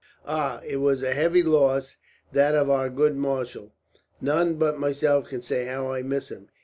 "Ah! it was a heavy loss, that of our good marshal. None but myself can say how I miss him.